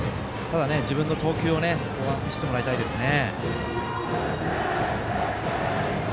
自分の投球を見せてもらいたいですね。